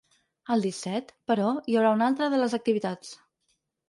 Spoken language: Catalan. El disset, però, hi haurà una altra de les activitats.